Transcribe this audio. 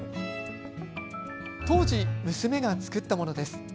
当時、娘が作ったものです。